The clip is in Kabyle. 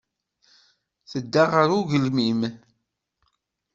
Tedda ɣer ugelmim.